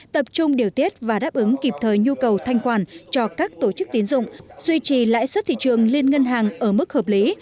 tập trung điều tiết và đáp ứng kịp thời nhu cầu thanh khoản cho các tổ chức tiến dụng duy trì lãi suất thị trường liên ngân hàng ở mức hợp lý